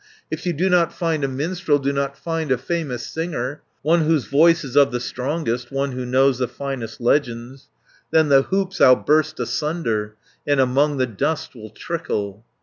550 "If you do not find a minstrel, Do not find a famous singer, One whose voice is of the strongest, One who knows the finest legends, Then the hoops I'll burst asunder, And among the dust will trickle."